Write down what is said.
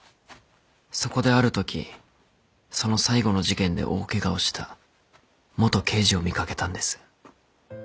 そこであるときその最後の事件で大ケガをした元刑事を見掛けたんです。